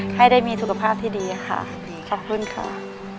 ให้ได้มีสุขภาพที่ดีค่ะดีขอบคุณค่ะ